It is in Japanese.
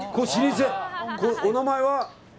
お名前は。